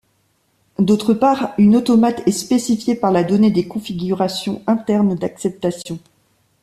D'autre part, une automate est spécifié par la donnée des configurations internes d'acceptation.